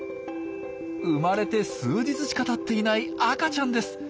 生まれて数日しかたっていない赤ちゃんです。